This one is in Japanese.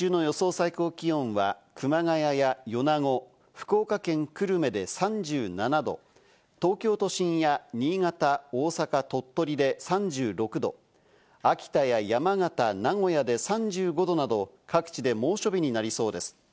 最高気温は、熊谷や米子、福岡県久留米で３７度、東京都心や新潟、大阪、鳥取で３６度、秋田や山形、名古屋で３５度など、各地で猛暑日になりそうです。